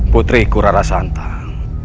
putriku rara santang